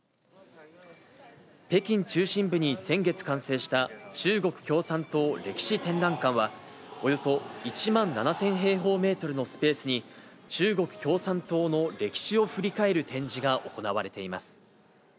北京中心部に先月完成した中国共産党歴史展覧館は、およそ１万７０００平方メートルのスペースに、中国共産党の歴史を振り返る展示が行われています。